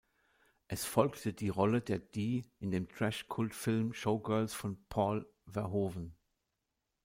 Es folgte die Rolle der Dee in dem Trash-Kultfilm "Showgirls" von Paul Verhoeven.